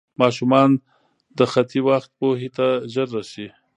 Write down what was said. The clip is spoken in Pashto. ماشومان د خطي وخت پوهې ته ژر رسي.